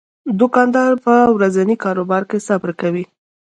دوکاندار په ورځني کاروبار کې صبر کوي.